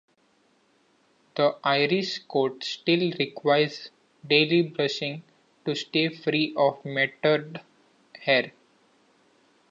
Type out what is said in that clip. The Irish coat still requires daily brushing to stay free of matted hair.